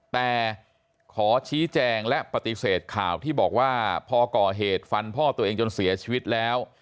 แต่ขอชี้แจงและปฏิเสธข่าวที่บอกว่าพอก่อเหตุฟันพ่อตัวเองจนเสียชีวิตแล้ว